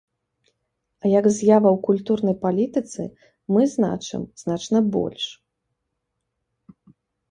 А як з'ява ў культурнай палітыцы мы значым значна больш.